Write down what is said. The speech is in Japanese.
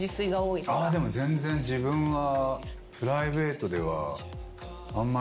でも全然自分はプライベートでは。